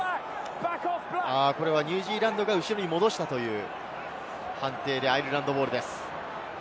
これはニュージーランドが戻したという判定でアイルランドボールです。